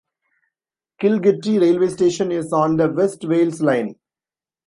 Kilgetty railway station is on the West Wales Line.